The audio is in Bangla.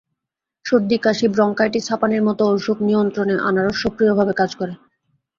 সর্দি-কাশি, ব্রঙ্কাইটিস, হাঁপানির মতো অসুখ নিয়ন্ত্রণে আনারস সক্রিয়ভাবে কাজ করে।